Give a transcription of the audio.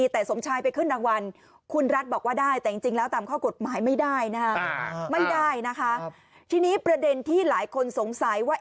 แต่จริงจริงแล้วตามข้อกฎหมายไม่ได้นะฮะไม่ได้นะคะครับทีนี้ประเด็นที่หลายคนสงสัยว่า